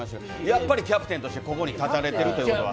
やっぱりキャプテンとしてここに立たれてるていうことは。